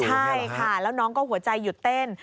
ใช่ค่ะแล้วน้องก็หัวใจหยุดเต้น